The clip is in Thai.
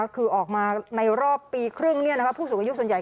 คือออกมาในรอบปีครึ่งผู้สูงอายุส่วนใหญ่